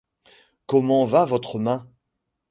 Comment va votre main ?